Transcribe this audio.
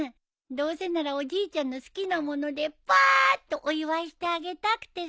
どうせならおじいちゃんの好きなものでパーッとお祝いしてあげたくてさ！